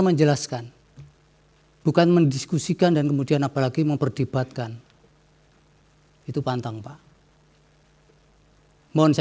menjelaskan bukan mendiskusikan dan kemudian apalagi memperdebatkan itu pantang pak mohon saya